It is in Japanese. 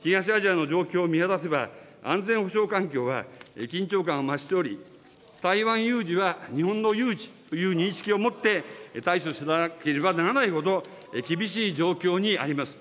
東アジアの状況を見渡せば安全保障環境は緊張感を増しており、台湾有事は日本の有事という認識を持って対処しなければならないほど厳しい状況にあります。